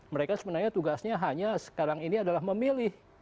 mereka sebenarnya tugasnya hanya sekarang ini adalah memilih